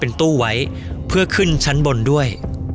เป็นตู้ไว้เพื่อขึ้นชั้นบนด้วย